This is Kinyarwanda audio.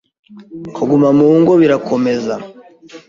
Kuguma mu ngo birakomeza